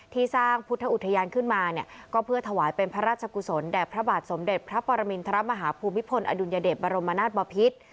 ที่สร้างพุทธอุทยานขึ้นมาเนี่ยก็เพื่อถวายเป็นพระราชกุศลแด่พระบาทสมเด็จพระปรมินทรมาฮภูมิพลอดุลยเดชบรมนาศบพิษ